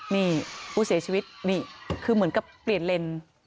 นี่ผู้เสียชีวิตนี่คือเหมือนกับเปลี่ยนเลน